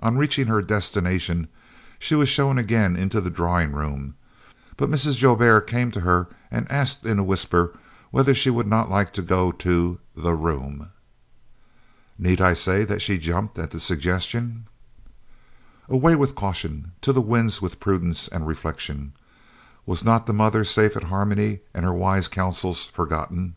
On reaching her destination she was again shown into the drawing room, but Mrs. Joubert came to her and asked in a whisper whether she would not like to go to the room. Need I say that she jumped at the suggestion? Away with caution, to the winds with prudence and reflection! Was not the mother safe at Harmony and her wise counsels forgotten?